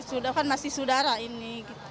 sudah kan masih saudara ini